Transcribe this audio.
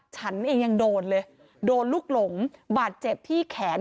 ฉันเองยังโดนเลยโดนลูกหลงบาดเจ็บที่แขน